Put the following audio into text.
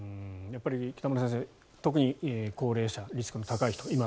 やっぱり北村先生特に高齢者、リスクの高い人